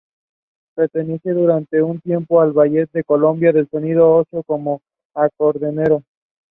He taught literature in the same university later for three years.